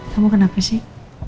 kamu kenapa sih